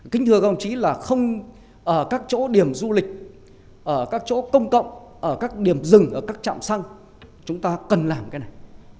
kính thưa các ông chí là không ở các chỗ điểm du lịch ở các chỗ công cộng ở các điểm dừng ở các trạm xăng chúng ta cần làm cái này